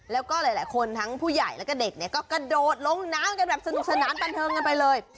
แล้วก็หลายคนทั้งผู้ใหญ่แล้วก็เด็กเนี่ยก็กระโดดลงน้ำกันแบบสนุกสนานบันเทิงกันไปเลย